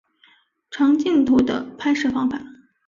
长镜头的拍摄方法。